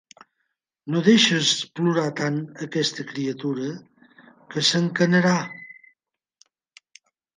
No deixes plorar tant aquesta criatura, que s'encanarà.